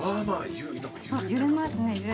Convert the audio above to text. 揺れますね。